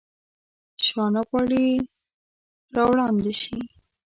شاه نه غواړي راوړاندي شي.